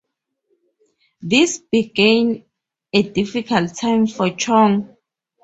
This began a difficult time for Chong.